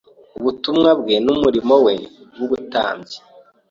ubutumwa bwe n’umurimo we w’ubutambyi.